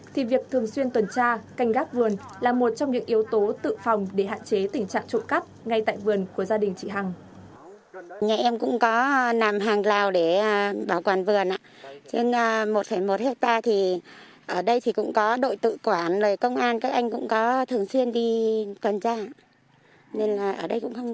thì việc thường xuyên tuần tra canh gác vườn là một trong những yếu tố tự phòng để hạn chế tình trạng trộn cắt ngay tại vườn của gia đình chị hằng